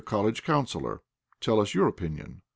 College Counsellor, tell us your opinion?"